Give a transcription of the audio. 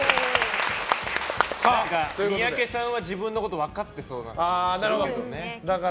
三宅さんは自分のこと分かってそうだから。